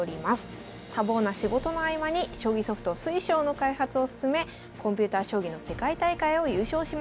多忙な仕事の合間に将棋ソフト水匠の開発を進めコンピュータ将棋の世界大会を優勝しました。